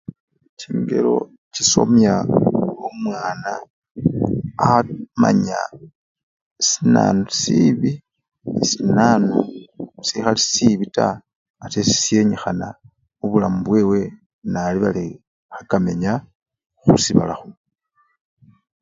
Chingelo chisomya omwana amanya sinanu sibii nesinanu sikhali sibii taa ate sisyenikhana mubulamu bwewe nanyole kamenyawo khusibala sino.